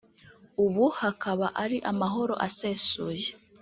ubu hakaba ari amahoro asesuye